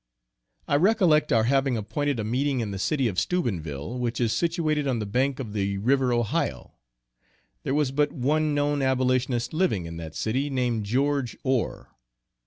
I recollect our having appointed a meeting in the city of Steubenville, which is situated on the bank of the river Ohio. There was but one known abolitionist living in that city, named George Ore.